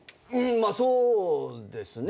そうですね。